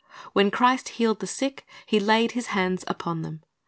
When Christ healed the sick, He laid His hands upon them.